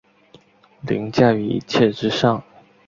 凌驾於一切之上